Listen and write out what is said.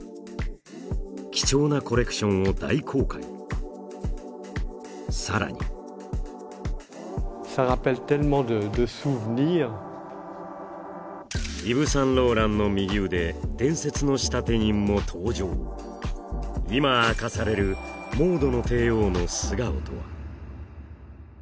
貴重なコレクションを大公開さらにイヴ・サンローランの右腕伝説の仕立て人も登場今明かされるモードの帝王の素顔とは？